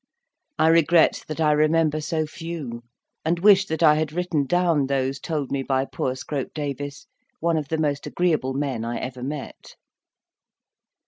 I regret that I remember so few; and wish that I had written down those told me by poor Scrope Davis, one of the most agreeable men I ever met.